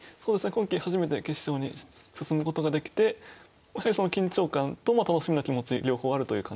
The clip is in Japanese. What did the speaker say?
今期初めて決勝に進むことができてやはりその緊張感と楽しみな気持ち両方あるという感じです。